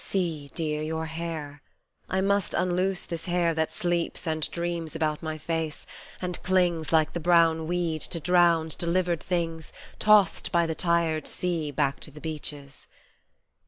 See, dear, your hair I must unloose this hair that sleeps and dreams About my face, and clings like the brown weed To drowned, delivered things, tossed by the tired sea Back to the beaches.